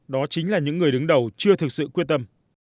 đó chính là những người đứng đầu chưa thực sự quyết tâm